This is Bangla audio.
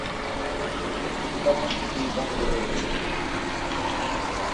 এটি তখন থেকেই বন্ধ রয়েছে।